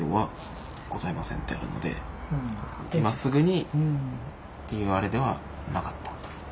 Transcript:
今すぐにっていうあれではなかった。